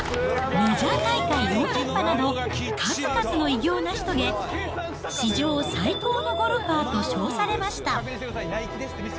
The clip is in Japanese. メジャー大会４連覇など、数々の偉業の成し遂げ、史上最高のゴルファーと称されました。